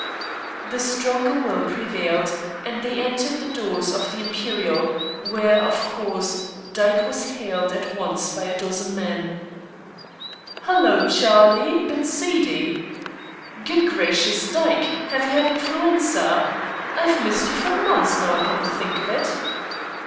The stronger will prevailed, and they entered the doors of the Imperial, where, of course, Dyke was hailed at once by a dozen men. "Hallo, Charlie! Been seedy?" "Good gracious, Dyke! have you had influenza? I've missed you for months, now I come to think of it."